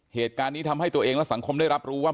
เหตุการณ์นี้ทำให้ตัวเองและสังคมได้รับรู้ว่า